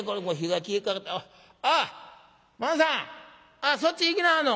あっそっち行きなはんの？